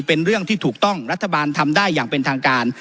เป็นเรื่องที่ถูกต้องรัฐบาลทำได้อย่างเป็นทางการ